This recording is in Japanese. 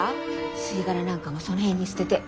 吸い殻なんかもその辺に捨てて。